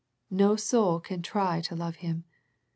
No soul can trv to love Him.